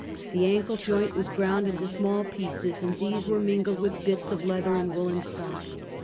The ankle joint was ground into small pieces, and these were mingled with bits of leather and woolen sock.